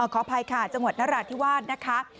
ขออภัยค่ะจังหวัดนราธิวาสนะคะ